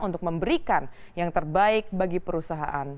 untuk memberikan yang terbaik bagi perusahaan